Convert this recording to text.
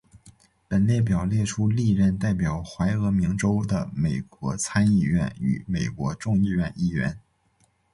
本列表列出历任代表怀俄明州的美国参议院与美国众议院议员。